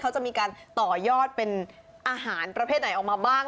เขาจะมีการต่อยอดเป็นอาหารประเภทไหนออกมาบ้าง